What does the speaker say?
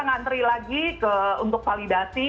ngantri lagi untuk validasi